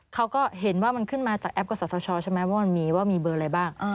เขาก็เห็นว่ามันขึ้นมาจากแอปกษัตริย์ศาสตร์ชอบว่ามีเบอร์อะไรบ้าง